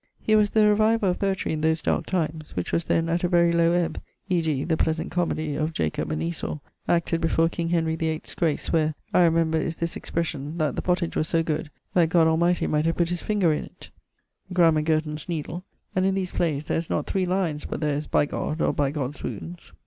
He was the reviver of poetry in those darke times, which was then at a very low ebbe, e.g. 'The Pleasant Comoedie of Jacob and Esau,' acted before King Henry VIII's grace (where, I remember, is this expression, that the pottage was so good, that God Almighty might have putt his finger in't); 'Grammar Gurton's Needle'; and in these playes there is not 3 lines but there is 'by God,' or 'by God's wounds.'